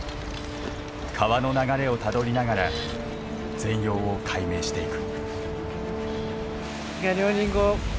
川の流れをたどりながら全容を解明していく。